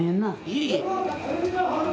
いえいえ。